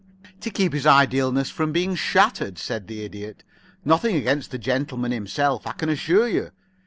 "To keep his idealness from being shattered," said the Idiot. "Nothing against the gentleman himself, I can assure you.